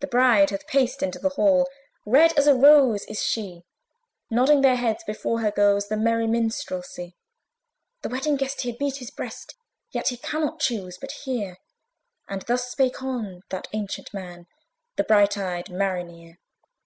The bride hath paced into the hall, Red as a rose is she; Nodding their heads before her goes The merry minstrelsy. The Wedding Guest he beat his breast, Yet he cannot chuse but hear; And thus spake on that ancient man, The bright eyed Mariner.